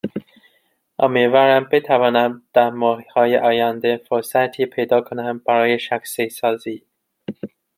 امیدوارم بتوانم در ماههای آینده فرصتی پیدا کنم برای شخصیسازی